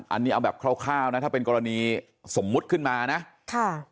อันนี้เอาแบบคร่าวนะถ้าเป็นกรณีสมมุติขึ้นมานะค่ะ